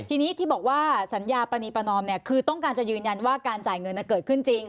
ทีนี้ที่บอกว่าสัญญาปรณีประนอมคือต้องการจะยืนยันว่าการจ่ายเงินเกิดขึ้นจริง